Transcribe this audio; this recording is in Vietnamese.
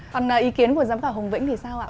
còn ý kiến của giám khảo hồng vĩnh thì sao ạ